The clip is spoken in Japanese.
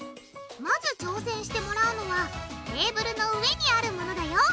まず挑戦してもらうのはテーブルの上にあるものだよ！